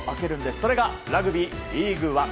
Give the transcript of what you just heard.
それが、ラグビーリーグワン。